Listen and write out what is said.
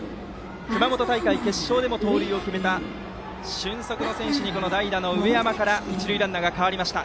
熊本大会決勝でも盗塁を決めた俊足の選手に代打の上山から一塁ランナーが変わりました。